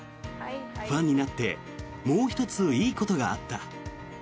ファンになってもう１つ、いいことがあった。